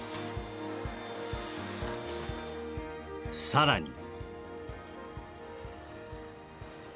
さらに